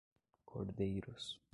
Cordeiros